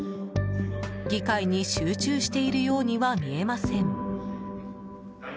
議会に集中しているようには見えません。